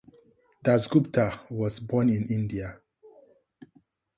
Das Gupta was born in India.